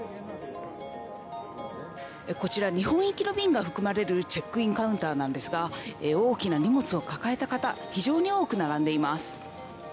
こちら、日本行きの便が含まれるチェックインカウンターなんですが、大きな荷物を抱えた方、非常に多く並んでいます。